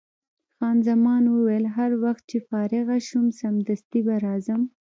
خان زمان وویل: هر وخت چې فارغه شوم، سمدستي به راځم.